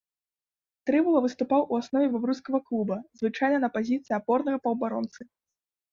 Трывала выступаў у аснове бабруйскага клуба, звычайна на пазіцыі апорнага паўабаронцы.